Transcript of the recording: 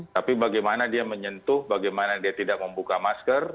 tapi bagaimana dia menyentuh bagaimana dia tidak membuka masker